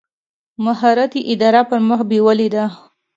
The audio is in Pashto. مهارت یې اداره پر مخ بېولې ده.